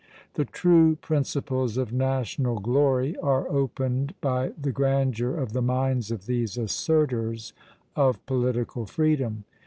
The true principles of national glory are opened by the grandeur of the minds of these assertors of political freedom.